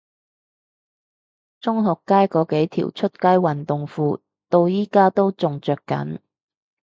中學雞嗰幾條出街運動褲到而家都仲着緊